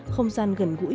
không gian gần gũi